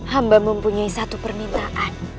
hamba mempunyai satu permintaan